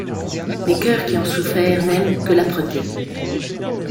Les cœurs qui ont souffert n'aiment que l'âpreté.